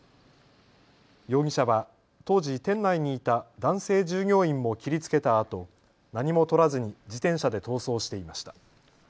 容疑者は当時、店内にいた男性従業員も切りつけたあと何もとらずに自転車で逃走していました。